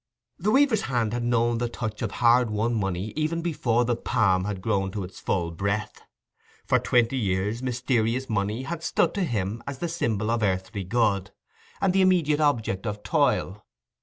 The weaver's hand had known the touch of hard won money even before the palm had grown to its full breadth; for twenty years, mysterious money had stood to him as the symbol of earthly good, and the immediate object of toil.